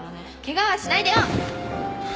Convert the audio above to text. ケガはしないでよ